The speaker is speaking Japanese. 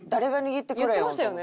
言ってましたよね